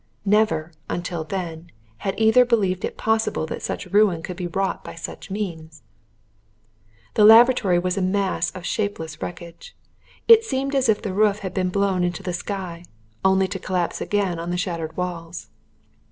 Never, until then, had either believed it possible that such ruin could be wrought by such means. The laboratory was a mass of shapeless wreckage. It seemed as if the roof had been blown into the sky only to collapse again on the shattered walls.